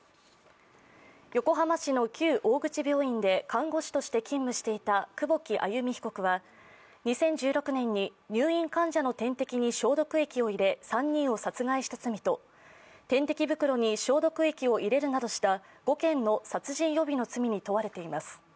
横浜市の旧大口病院で看護師として勤務していた久保木愛弓被告は２０１６年に入院患者の点滴に消毒液を入れ３人を殺害した罪と点滴袋に消毒液を入れるなどした５件の殺人予備の罪に問われています。